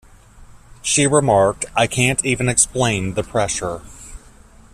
She remarked, I can't even explain the pressure.